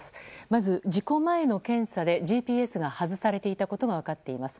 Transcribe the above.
まず、事故前の検査でＧＰＳが外されていたことが分かっています。